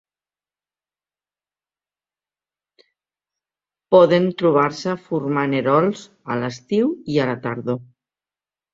Poden trobar-se formant erols a l'estiu i a la tardor.